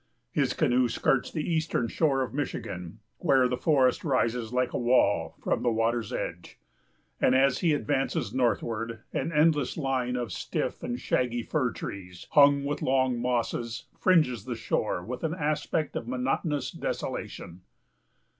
His canoe skirts the eastern shore of Michigan, where the forest rises like a wall from the water's edge; and as he advances northward, an endless line of stiff and shaggy fir trees, hung with long mosses, fringes the shore with an aspect of monotonous desolation.